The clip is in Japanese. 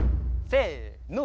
せの。